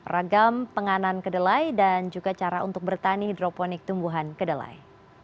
ragam penganan kedelai dan juga cara untuk bertani hidroponik tumbuhan kedelai